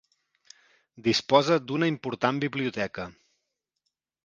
Disposa d'una important biblioteca.